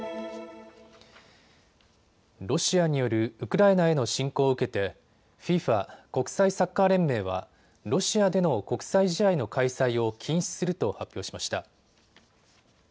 ロシアによるウクライナへの侵攻を受けてＦＩＦＡ・国際サッカー連盟はロシアでの国際試合の開催を禁止すると発表しました。